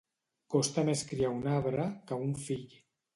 Costa més criar un arbre que un fill.